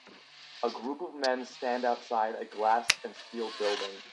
A group of men stand outside a glass and steel building.